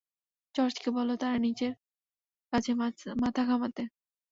জর্জকে বলো তার নিজের কাজে মাথা ঘামাতে।